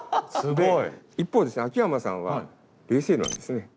一方ですね秋山さんは冷静なんですね。